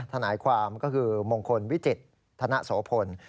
ทนายความก็คือมงคลวิจิตธนโสพล